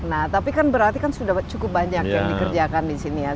nah tapi kan berarti kan sudah cukup banyak yang dikerjakan di sini ya